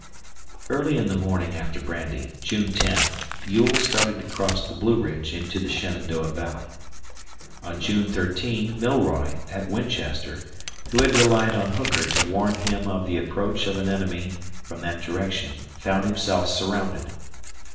Early in the morning after Brandy, June 10, Ewell started to cross the Blue Ridge into the Shenandoah Valley. On June 13, Milroy, at Winchester, who had relied on Hooker to warn him of the approach of an enemy from that direction, found himself surrounded.